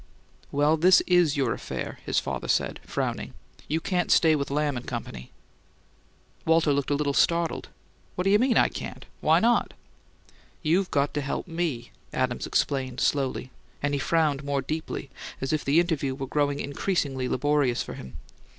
"Well, this is your affair," his father said, frowning. "You can't stay with Lamb and Company." Walter looked a little startled. "What you mean, I can't? Why not?" "You've got to help me," Adams explained slowly; and he frowned more deeply, as if the interview were growing increasingly laborious for him.